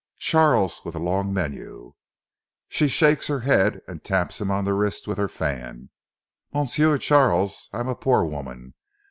Charles with a long menu. She shakes her head and taps him on the wrist with her fan. 'Monsieur Charles, I am a poor woman.